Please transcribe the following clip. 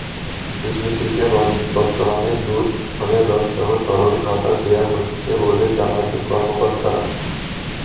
শিশুটিকে বর্তমানে দুধ, ফলের রসসহ তরল খাবার দেওয়া হচ্ছে বলে জানালেন কর্মকর্তারা।